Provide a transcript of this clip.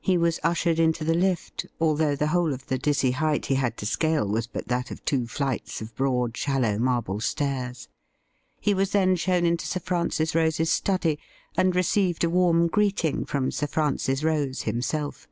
He was ushered into the lift, although the whole of the dizzy height he had to scale was but that of two flights of broad, shallow marble stairs. He was then shown into Sir Francis Rose's study, and received a warm greeting from Sir Francis Rose himself.